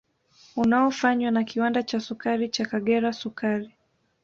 Unaofanywa na kiwanda cha sukari cha Kagera sukari